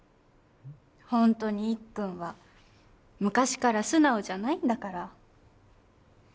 本当にいっくんは昔から素直じゃないんだから。